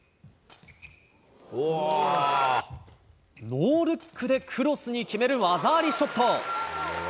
ノールックでクロスに決める技ありショット。